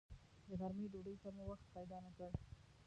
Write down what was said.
د غرمې ډوډۍ ته مو وخت پیدا نه کړ.